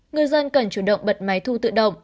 người dân cần chủ động bật máy thu tự động